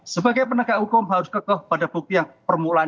sebagai penegak hukum harus kekeh pada bukti yang permulaan